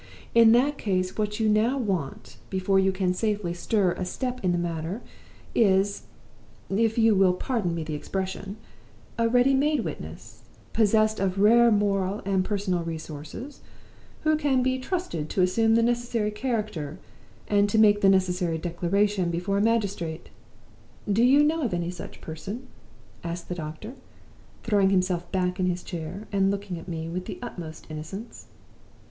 'In that case, what you now want, before you can safely stir a step in the matter, is if you will pardon me the expression a ready made witness, possessed of rare moral and personal resources, who can be trusted to assume the necessary character, and to make the necessary Declaration before a magistrate. Do you know of any such person?' asked the doctor, throwing himself back in his chair, and looking at me with the utmost innocence.